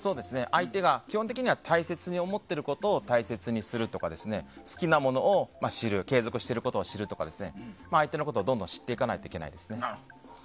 相手が基本的には大切に思っていることを大切にするとか好きなものを知る継続していることを知るとか相手のことをどんどん知っていかないといけないですね。